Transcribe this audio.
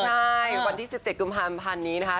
ใช่วันที่๑๗กุมภาพันธ์นี้นะคะ